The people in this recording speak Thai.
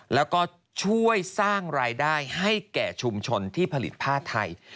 แล้วก็ช่วยสร้างรายได้ให้แก่ชุมชนที่ผลิตผ้าไทย